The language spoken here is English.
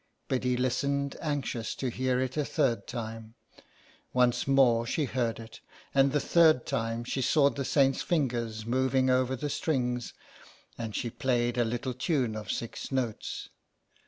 Biddy listened, anxious to hear it a third time. Once more she heard it, and the third time she saw the saint's fingers moving over the strings; and she played a little tune of six notes.